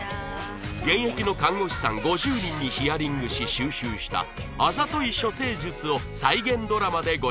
現役の看護師さん５０人にヒアリングし収集したあざとい処世術を再現ドラマでご紹介